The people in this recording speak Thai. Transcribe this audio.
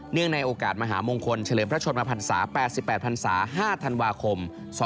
เนื่องในโอกาสมหามงคลเฉลิมพระชนมภรรษา๘๘ภรรษา๕ธันวาคม๒๐๕๘